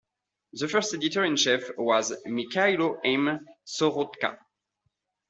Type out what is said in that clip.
The first editor-in-chief was Mykhailo M. Soroka.